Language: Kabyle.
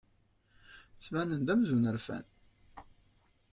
Ttbanen-d amzun rfan.